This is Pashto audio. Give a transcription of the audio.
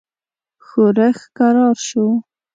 ښورښ کرار شو.